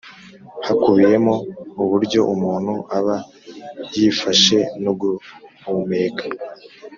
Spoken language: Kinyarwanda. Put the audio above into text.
hakubiyemo uburyo umuntu aba yifashe no guhumeka.